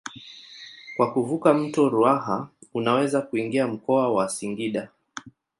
Kwa kuvuka mto Ruaha unaweza kuingia mkoa wa Singida.